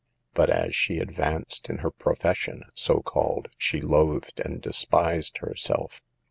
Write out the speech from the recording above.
But as she advanced in her "profession" so called, she loathed and despised herself.